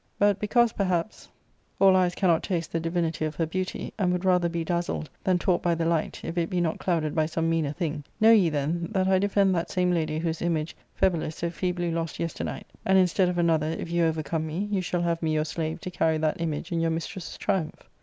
But because, perhaps, all eyes cannot yolliti^^T^olit^nesSf pretty behaviour. II ' '90 ARCADIA.— Book I. taste the divinity of her beauty, and would rather be dazzled than taught by the light, if it be not clouded by some meaner thing, know ye, then, that I defend that same lady whose image Phebilus so feebly lost yesternight, and, instead of another, if you overcome me, you shall have me your slave to carry that image in your mistress's triumph."